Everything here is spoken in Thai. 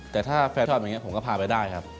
แต่ถ้าแฟนชอบอย่างนี้ผมก็พาไปได้ครับ